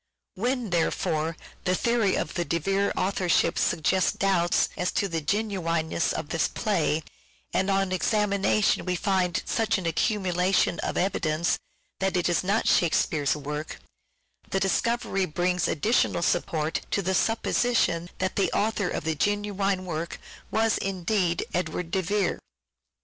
When, therefore, the theory of the De Vere author ship suggests doubts as to the genuineness of this play, and on examination we find such an accumula tion of evidence that it is not Shakespeare's work, the discovery brings additional support to the supposition that the author of the genuine work was indeed Edward de Vere.